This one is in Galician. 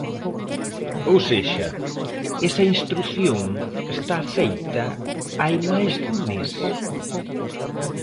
Ou sexa, esa instrución está feita hai máis dun mes.